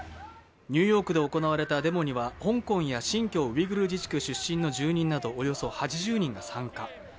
ニューヨークで行われたデモには香港や新疆ウイグル自治区出身の住人などおよそ８０人が参加。